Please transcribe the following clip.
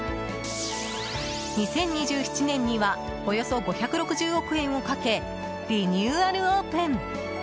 ２０２７年にはおよそ５６０億円をかけリニューアルオープン。